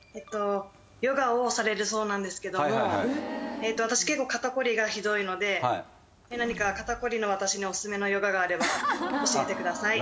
ヨガをされるそうなんですけども私結構肩こりがひどいので何か肩こりの私におすすめのヨガがあれば教えてください